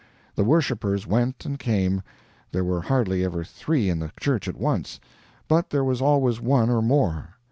The worshipers went and came; there were hardly ever three in the church at once, but there was always one or more.